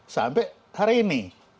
sampai hari ini